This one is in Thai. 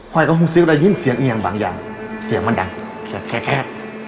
ไหว้ก็คงซิกได้ยินเสียงอื่นอย่างบางอย่างเสียงมันดังแค่แค่แค่